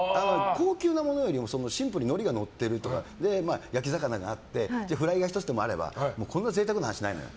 高級なものよりもシンプルにのりがのってるとか焼き魚があってフライが１つでもあればこんな贅沢な話ないのよ。